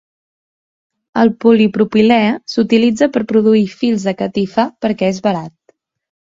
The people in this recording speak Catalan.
El polipropilè s'utilitza per produir fils de catifa perquè és barat.